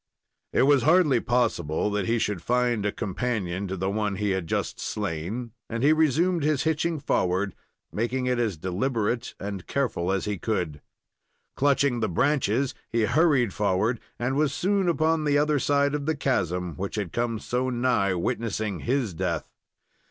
It was hardly possible that he should find a companion to the one he had just slain, and he resumed his hitching forward, making it as deliberate and careful as he could. Clutching the branches, he hurried forward and was soon upon the other side of the chasm which had come so nigh witnessing his death.